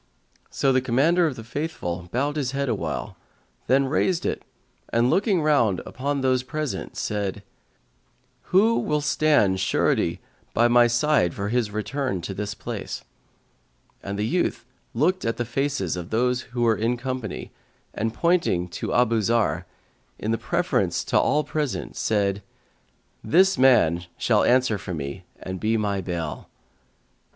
So the Commander of the Faithful bowed his head awhile, then raised it and looking round upon those present, said, "Who will stand surety by me for his return to this place?" And the youth looked at the faces of those who were in company and pointing to Abu Zarr,[FN#149] in preference to all present, said, "This man shall answer for me and be my bail."